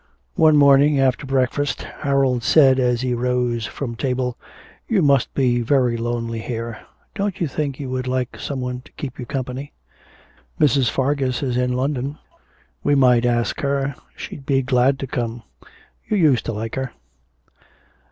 One morning after breakfast Harold said as he rose from table, 'You must be very lonely here. Don't you think you would like some one to keep you company? Mrs. Fargus is in London; we might ask her, she'd be glad to come; you used to like her.'